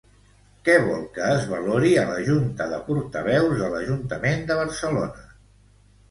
Què vol que es valori a la Junta de Portaveus de l'Ajuntament de Barcelona?